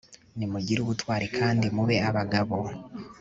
nimugire ubutwari kandi mube abagabo